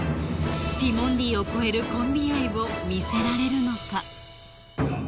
ティモンディを超えるコンビ愛を見せられるのか？